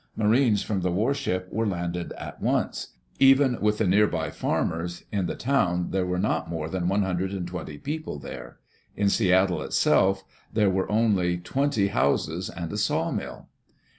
Marines from the warship were landed at once. Even with the near by farmers, in the town there were not more than one hundred and twenty people there. In Seattle itself there were only twenty houses and a sawmill.